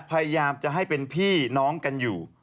พยายามจะให้เป็นพี่น้องกันอยู่